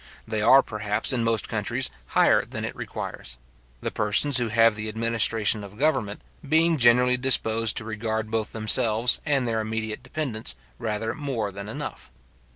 They are, perhaps, in most countries, higher than it requires; the persons who have the administration of government being generally disposed to regard both themselves and their immediate dependents, rather more than enough.